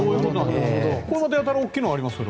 これ、やたら大きいのがありますけど。